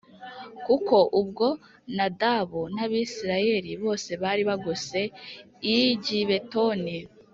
kuko ubwo Nadabu n’Abisirayeli bose bari bagose i Gibetoni